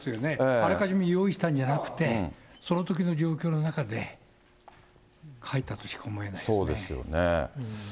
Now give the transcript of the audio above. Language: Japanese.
あらかじめ用意したんじゃなくて、そのときの状況の中で、そうですよね。